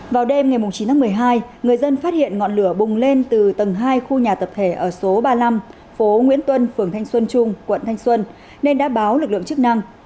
vào đêm ngày chín tháng một mươi hai người dân phát hiện ngọn lửa bùng lên từ tầng hai khu nhà tập thể ở số ba mươi năm phố nguyễn tuân phường thanh xuân trung quận thanh xuân nên đã báo lực lượng chức năng